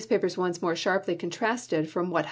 e' papers once more sharply contrasted from what DecSisco.